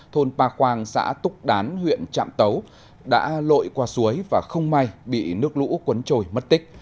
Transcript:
thôn pa khoang xã túc đán huyện trạm tấu đã lội qua suối và không may bị nước lũ cuốn trôi mất tích